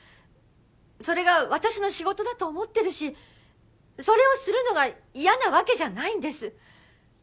それが私の仕事だと思ってるしそれをするのが嫌なわけじゃないんです。